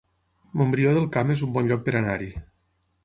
Montbrió del Camp es un bon lloc per anar-hi